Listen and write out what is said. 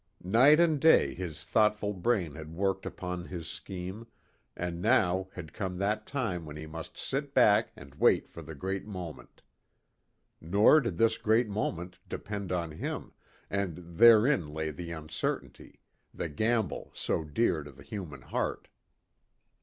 Night and day his thoughtful brain had worked upon his scheme, and now had come that time when he must sit back and wait for the great moment. Nor did this great moment depend on him, and therein lay the uncertainty, the gamble so dear to the human heart.